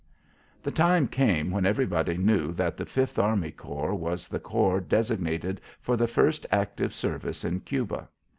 The time came when everybody knew that the Fifth Army Corps was the corps designated for the first active service in Cuba.